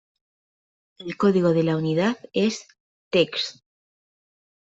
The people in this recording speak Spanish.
El código de la unidad es "tex".